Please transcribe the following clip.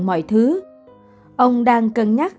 mọi thứ ông đang cân nhắc